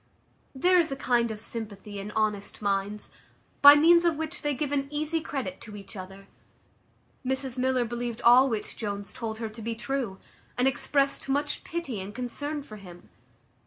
There is a kind of sympathy in honest minds, by means of which they give an easy credit to each other. Mrs Miller believed all which Jones told her to be true, and exprest much pity and concern for him.